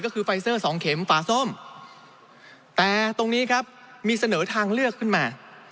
ก็คือไฟเซอร์สองเข็มฝาส้มแต่ตรงนี้ครับมีเสนอทางเลือกขึ้นมา